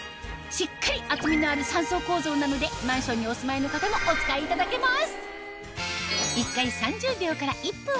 しっかり厚みのある３層構造なのでマンションにお住まいの方もお使いいただけます